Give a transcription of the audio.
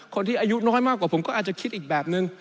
อายุน้อยมากกว่าผมก็อาจจะคิดอีกแบบนึง